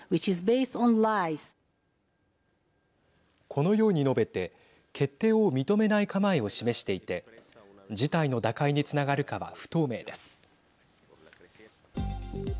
このように述べて決定を認めない構えを示していて事態の打開につながるかは不透明です。